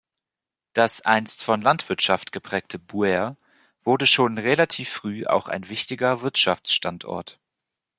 Das einst von Landwirtschaft geprägte Buer wurde schon relativ früh auch ein wichtiger Wirtschaftsstandort.